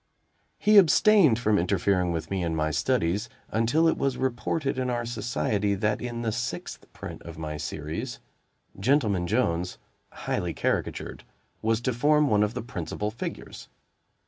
He abstained from interfering with me and my studies, until it was reported in our society, that in the sixth print of my series, Gentleman Jones, highly caricatured, was to form one of the principal figures.